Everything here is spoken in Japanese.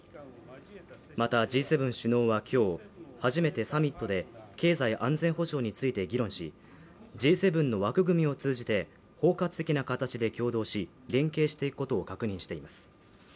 また、Ｇ７首脳は今日、初めてサミットで経済安全保障について議論し、Ｇ７の枠組みを通じて包括的な形で協働し連携していくことを確認しています。